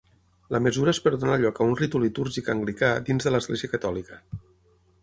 La mesura és per donar lloc a un ritu litúrgic anglicà dins de l'Església Catòlica.